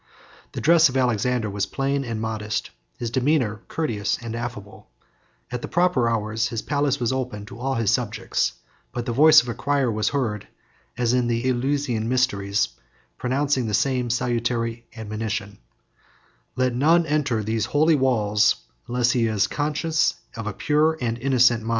70 The dress of Alexander was plain and modest, his demeanor courteous and affable: at the proper hours his palace was open to all his subjects, but the voice of a crier was heard, as in the Eleusinian mysteries, pronouncing the same salutary admonition: "Let none enter these holy walls, unless he is conscious of a pure and innocent mind."